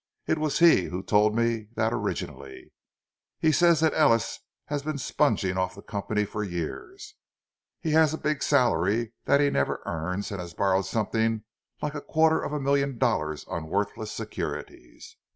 It was he who told me that originally. He says that Ellis has been sponging off the company for years—he has a big salary that he never earns, and has borrowed something like a quarter of a million dollars on worthless securities."